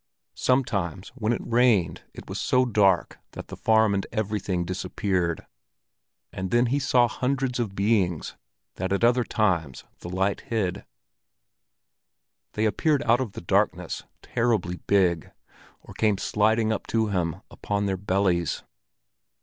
Sometimes when it rained it was so dark that the farm and everything disappeared; and then he saw hundreds of beings that at other times the light hid. They appeared out of the darkness, terribly big, or came sliding up to him upon their bellies.